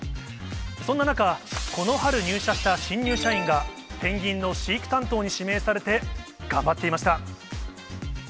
そんな中、この春入社した新入社員が、ペンギンの飼育担当に指名されて頑張っていました。